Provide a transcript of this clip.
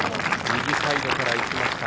右サイドからいきました。